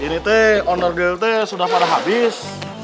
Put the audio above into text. ini tuh owner deal tuh sudah pada habis